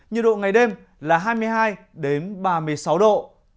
nhiệt độ ngày đêm là hai mươi hai ba mươi sáu độ